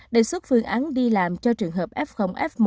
đề xuất phương án đi làm cho trường hợp f f một